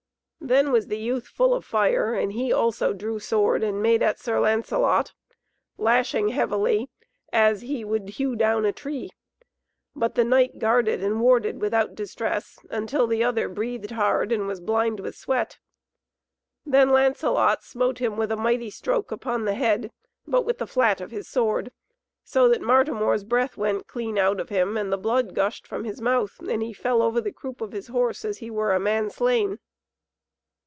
Then was the youth full of fire, and he also drew sword and made at Sir Lancelot, lashing heavily as, he would hew down a tree. But the knight guarded and warded without distress, until the other breathed hard and was blind with sweat. Then Lancelot smote him with a mighty stroke upon the head, but with the flat of his sword, so that Martimor's breath went clean out of him, and the blood gushed from his mouth, and he fell over the croup of his horse as he were a man slain.